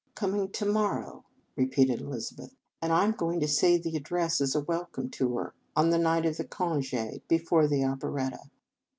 " Coming to morrow," repeated Elizabeth; "and I m going to say the address as a welcome to her, on the night of the conge, before the operetta."